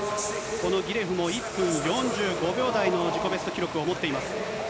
このギレフも１分４５秒台の自己ベスト記録を持っています。